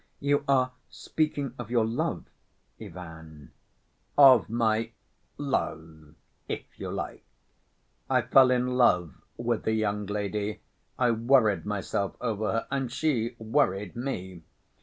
"You are speaking of your love, Ivan?" "Of my love, if you like. I fell in love with the young lady, I worried myself over her and she worried me.